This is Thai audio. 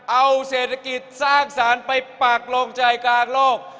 เอาเศรษฐกิจสร้างสรรค์ไปปักลงใจกลางโลก